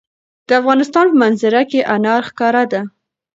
د افغانستان په منظره کې انار ښکاره ده.